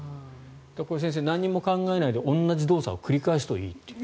これは先生、何も考えないで同じ動作を繰り返すといいという。